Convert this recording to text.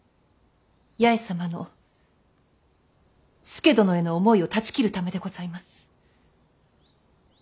八重様の佐殿への思いを断ち切るためでございます。